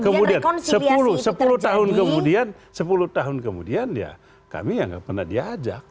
kemudian sepuluh tahun kemudian sepuluh tahun kemudian ya kami ya nggak pernah diajak